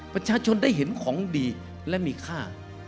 ประชาชนได้เห็นของดีและมีค่า